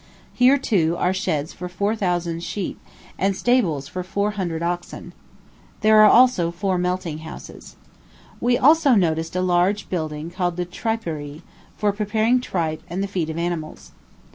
Here, too, are sheds for four thousand sheep, and stables for four hundred oxen. There are also four melting houses. We also noticed a large building called the Triperie, for preparing tripe and the feet of animals.